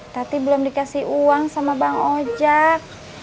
tati belum dikasih uang sama bang ojak